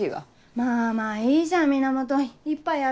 まぁまぁいいじゃん源一杯やろ。